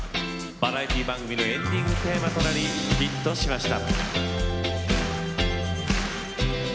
バラエティー番組のエンディングテーマとなりヒットしました。